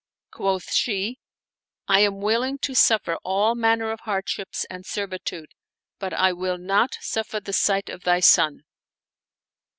Quoth she, " I am willing to suffer all manner of hardships and servitude, but I will not suffer the sight of thy son."